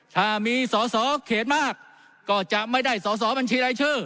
ถ้ามีสอสอเขตมากก็จะไม่ได้สอสอบัญชีรายชื่อ